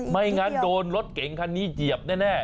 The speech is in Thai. ไม่งั้นโดนรถเก๋งคันนี้เหยียบแน่